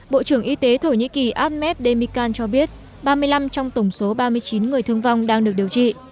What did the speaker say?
bộ trưởng y tế thổ nhĩ kỳ ahmed demikan cho biết ba mươi năm trong tổng số ba mươi chín người thương vong đang được điều trị